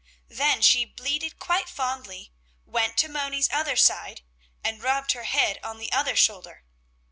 Then she bleated quite fondly, went to Moni's other side and rubbed her head on the other shoulder.